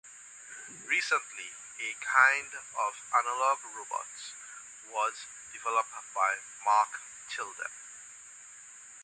Recently a kind of analog robots was developed by Mark Tilden.